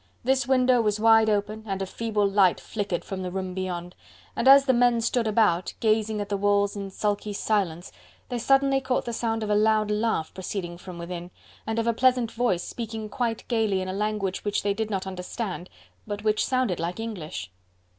This window was wide open and a feeble light flickered from the room beyond, and as the men stood about, gazing at the walls in sulky silence, they suddenly caught the sound of a loud laugh proceeding from within, and of a pleasant voice speaking quite gaily in a language which they did not understand, but which sounded like English.